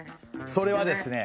それはですね。